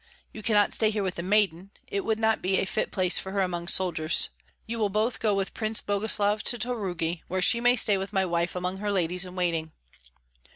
You cannot stay here with the maiden; it would not be a fit place for her among soldiers. You will both go with Prince Boguslav to Taurogi, where she may stay with my wife among her ladies in waiting."